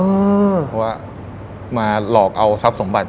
เพราะว่ามาหลอกเอาทรัพย์สมบัติ